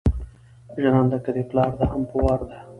ژرنده که دې پلار ده هم په وار ده.